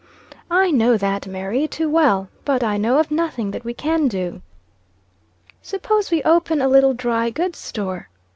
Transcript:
"I know that, Mary, too well. But I know of nothing that we can do." "Suppose we open a little dry goods' store?"